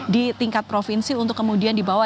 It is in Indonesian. di tingkat provinsi untuk kemudian dibawa